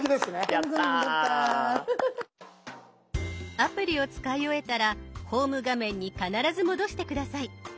アプリを使い終えたらホーム画面に必ず戻して下さい。